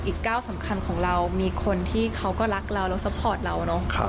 อีกก้าวสำคัญของเรามีคนที่เขาก็รักเราแล้วซัพพอร์ตเราเนอะ